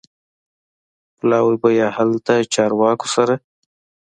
پلاوی به یې هلته چارواکو سره